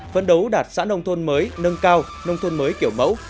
phấn đấu đạt xã nông thôn mới nâng cao nông thôn mới kiểu mẫu